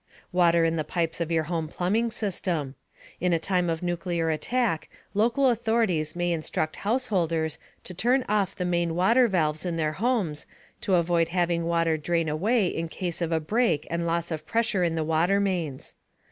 Water in the pipes of your home plumbing system. In a time of nuclear attack, local authorities may instruct householders to turn off the main water valves in their homes to avoid having water drain away in case of a break and loss of pressure in the water mains.